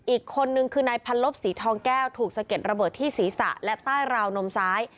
อีกคนนึงคือนายพันลบสีทองแก้วถูกสะเก็ดระเบิดที่ศีรษะและใต้ราวนมซ้าย